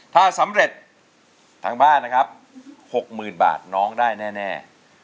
ถ้าสำเร็จทางบ้านนะครับ๖๐๐๐บาทน้องได้แน่